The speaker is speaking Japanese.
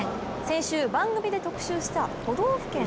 先週、番組で特集した都道府県